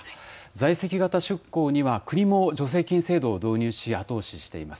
在籍型出向には、国も助成金制度を導入し、後押ししています。